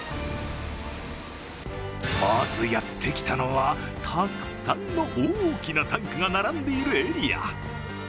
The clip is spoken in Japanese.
まずやってきたのは、たくさんの大きなタンクが並んでいるエリア。